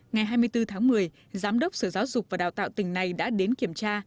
ngày hai mươi bốn tháng một mươi giám đốc sở giáo dục và đào tạo tỉnh này đã đến kiểm tra